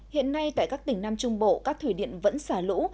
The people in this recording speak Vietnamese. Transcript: hiện nay tại các tỉnh nam trung bộ các thủy điện vẫn xả lũ